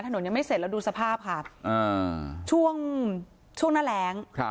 ถนนยังไม่เสร็จแล้วดูสภาพค่ะช่วงช่วงหน้าแรง